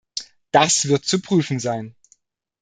Das wird zu prüfen sein.